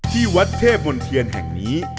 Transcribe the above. ที่วัดเทพมนเทียนแห่งนี้